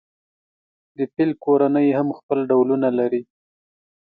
د فیل کورنۍ هم خپل ډولونه لري.